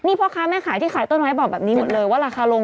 นี่พ่อค้าแม่ขายที่ขายต้นไม้บอกแบบนี้หมดเลยว่าราคาลง